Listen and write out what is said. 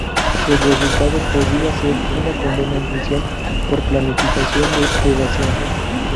El resultado podía ser una condena en prisión por planificación de evasión.